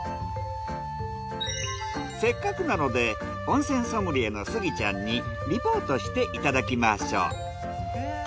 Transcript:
せっかくなので温泉ソムリエのスギちゃんにリポートしていただきましょう。